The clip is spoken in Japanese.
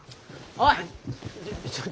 おい！